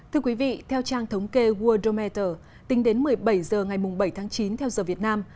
thưa quý vị theo trang thống kê worldmetor tính đến một mươi bảy h ngày bảy tháng chín theo giờ việt nam